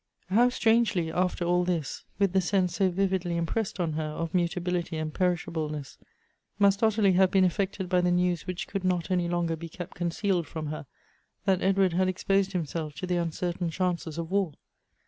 HOW strangely, after all this, with the sense so vividly impressed on her of mutability and perishableness, must Ottilie have been affected by the news which could not any longer be kept concealed from her, that Edward had exposed himself to the uncertain chances of war